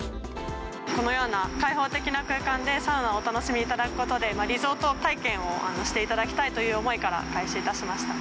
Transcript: このような開放的な空間で、サウナをお楽しみいただくことで、リゾート体験をしていただきたいという思いから開始いたしました。